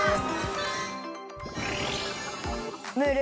ムール。